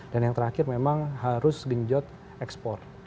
dan yang terakhir memang harus genjot ekspor